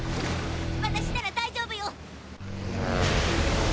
私なら大丈夫よ！